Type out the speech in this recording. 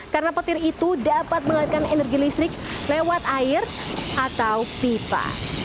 karena petir itu dapat mengalirkan energi listrik lewat air atau pipa